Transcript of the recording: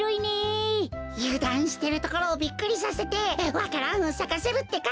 ゆだんしてるところをビックリさせてわか蘭をさかせるってか。